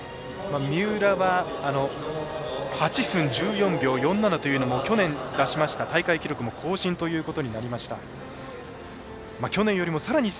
三浦は８分１４秒４７というのも去年出しました、大会記録も更新ということになりました。